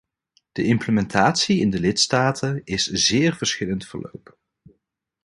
De implementatie in de lidstaten is zeer verschillend verlopen.